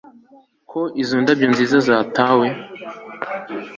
ko izo ndabyo nziza zatewe